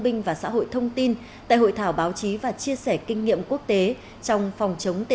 minh và xã hội thông tin tại hội thảo báo chí và chia sẻ kinh nghiệm quốc tế trong phòng chống tệ